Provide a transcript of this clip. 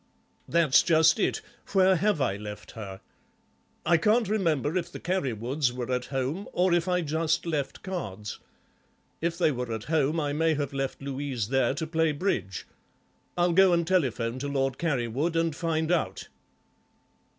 "That's just it. Where have I left her? I can't remember if the Carrywoods were at home or if I just left cards. If there were at home I may have left Louise there to play bridge. I'll go and telephone to Lord Carrywood and find out."